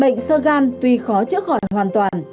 bệnh sơ gan tuy khó chữa khỏi hoàn toàn